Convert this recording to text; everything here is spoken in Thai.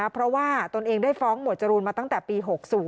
เพราะว่าตนเองได้ฟ้องหมวดจรูนมาตั้งแต่ปี๖๐